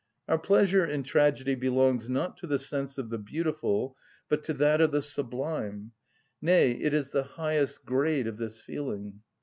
Our pleasure in tragedy belongs, not to the sense of the beautiful, but to that of the sublime; nay, it is the highest grade of this feeling.